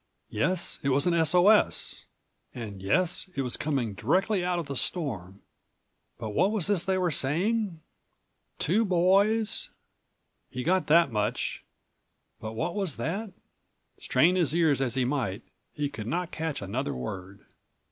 Yes, it was an S. O. S.! And, yes, it was coming directly out of the storm. But what was this they were saying? "Two boys—" He got that much, but what was that? Strain his ears as he might, he could not catch another word.